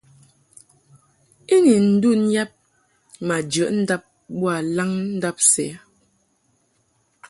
I ni ndun yab ma jəʼ ndab boa laŋndab sɛ.